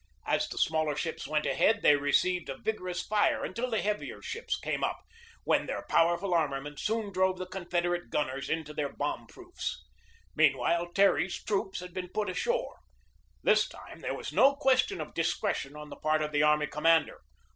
As the smaller ships were ahead, they received a vigorous fire until the heavier ships came up, when their powerful armament soon drove the Confederate gunners into their bomb proofs. Meanwhile Terry's troops had been put ashore. This time there was no question of discretion on the part of the army commander.